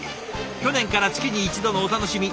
「去年から月に１度のお楽しみ